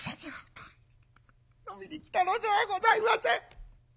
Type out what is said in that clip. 「飲みに来たのではございません。